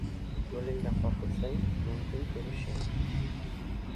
Yo‘lingda qoqilsang, mumkin turishing